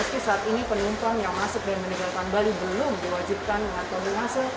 meski saat ini penumpang yang masuk dan meninggalkan bali belum diwajibkan mengatasi